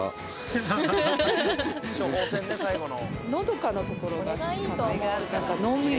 処方箋ね最後の。